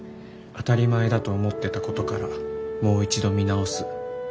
当たり前だと思ってたことからもう一度見直す。